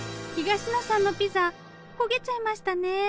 東野さんのピザ焦げちゃいましたね。